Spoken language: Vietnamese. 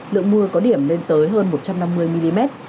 lượng mưa có điểm lên tới hơn một trăm năm mươi mm